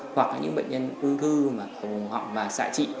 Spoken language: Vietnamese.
hoặc là những bệnh nhân ung thư vùng hầu họng và xạ trị